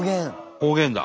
方言だ。